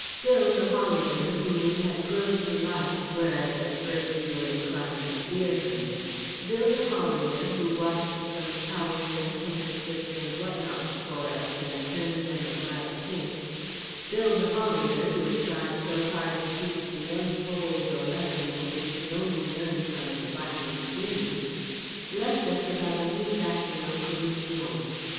Bill the Hollander, whom we had grown to like, whereas at first we were inclined to fear him, Bill the Hollander who washed some towels and handkerchiefs and what nots for us and turned them a bright pink, Bill the Hollander who had tried so hard to teach The Young Pole the lesson which he could only learn from The Fighting Sheeney, left us about a week after la commission.